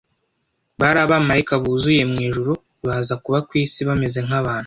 Bari abamarayika bavuye mu ijuru baza kuba ku isi bameze nk’abantu